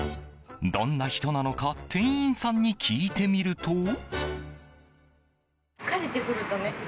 どんな人なのか店員さんに聞いてみると。